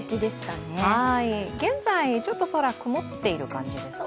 現在、ちょっと空、曇っている感じですか。